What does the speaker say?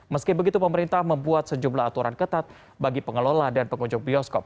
meski begitu pemerintah membuat sejumlah aturan ketat bagi pengelola dan pengunjung bioskop